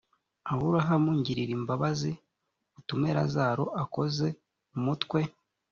aburahamu ngirira imbabazi utume lazaro akoze umutwe